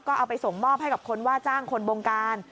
ก็เอาไปส่งมอบให้กับคนว่าจ้างคนบงการ